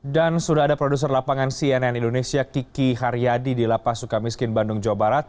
dan sudah ada produser lapangan cnn indonesia kiki haryadi di lapas suka miskin bandung jawa barat